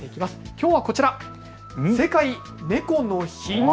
きょうはこちら、世界猫の日。